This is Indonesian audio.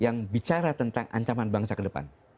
yang bicara tentang ancaman bangsa ke depan